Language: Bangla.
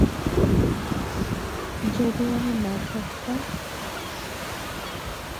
যদি আমি না থাকতাম।